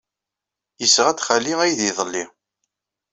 Yesɣa-d xali aydi iḍelli.